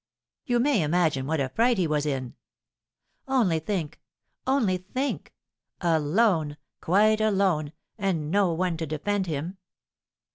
You may imagine what a fright he was in; only think only think alone, quite alone, and no one to defend him!